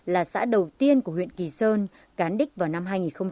là xã đầu tiên của huyện kỳ sơn cán đích vào năm hai nghìn một mươi